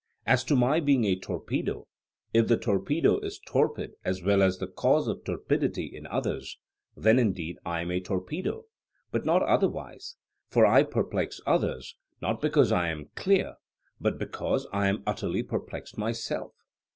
As to my being a torpedo, if the torpedo is torpid as well as the cause of torpidity in others, then indeed I am a torpedo, but not otherwise; for I perplex others, not because I am clear, but because I am utterly perplexed myself.